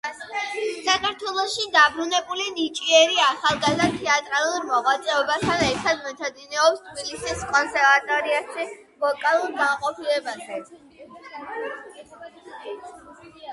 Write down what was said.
საქართველოში დაბრუნებული ნიჭიერი ახალგაზრდა თეატრალურ მოღვაწეობასთან ერთად, მეცადინეობს თბილისის კონსერვატორიაში ვოკალურ განყოფილებაზე.